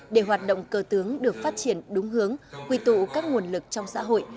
để hoạt động cờ tướng được phát triển đúng hướng quy tụ các nguồn lực trong xã hội